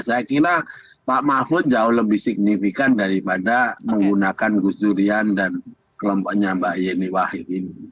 saya kira pak mahfud jauh lebih signifikan daripada menggunakan gus durian dan kelompoknya mbak yeni wahid ini